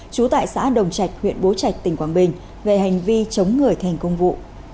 trú tại xã đồng trạch huyện bố trạch tỉnh quảng bình về hành vi chống người thành công vụ